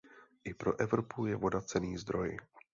I pro Evropu je voda cenný zdroj.